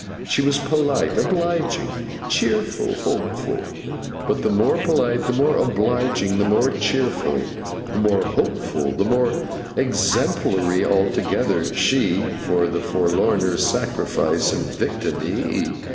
She was polite, obliging, cheerful, hopeful; but, the more polite, the more obliging, the more cheerful, the more hopeful, the more exemplary altogether, she; the forlorner Sacrifice and Victim, he.